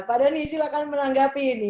pak dhani silahkan menanggapi ini